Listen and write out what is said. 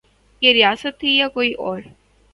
یہ ریاست تھی یا کوئی اور؟